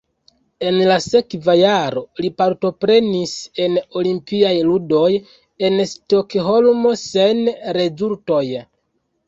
En la sekva jaro li partoprenis en Olimpiaj ludoj en Stokholmo sen rezultoj.